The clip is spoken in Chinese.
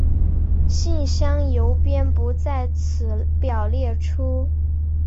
信箱邮编不在此表列出。